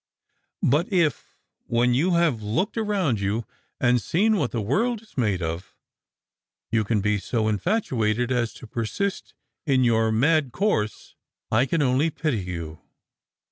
But if, when you have looked around you, and seen what the world is made of, you can be so in fatuated as to persist in your mad course, I can only pity you."